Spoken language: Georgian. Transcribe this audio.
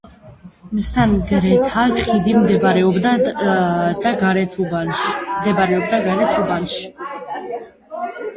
მესანგრეთა ხიდი მდებარეობდა გარეთუბანში.